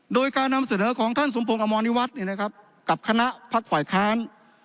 โดยการนำเสนอของท่านสมพงศ์อมรณิวัฒน์กับคณะพักฝ่ายค้าน